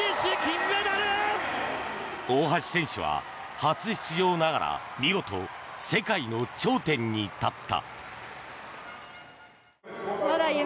大橋選手は初出場ながら見事、世界の頂点に立った。